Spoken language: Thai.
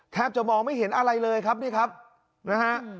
จะมองไม่เห็นอะไรเลยครับนี่ครับนะฮะ